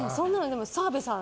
澤部さん